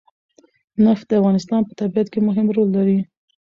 نفت د افغانستان په طبیعت کې مهم رول لري.